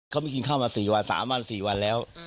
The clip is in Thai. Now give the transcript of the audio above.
เขาไม่กินข้าวมาสี่วันสามวันสี่วันแล้ว